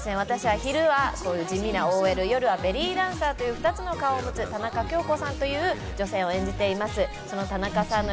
私は昼は地味なＯＬ、夜はベリーダンサーという、２つの顔を持つ田中京子を演じています。